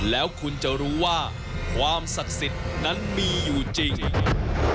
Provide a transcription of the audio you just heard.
แล้วคุณจะรู้ว่าความศักดิ์สิทธิ์นั้นมีอยู่จริง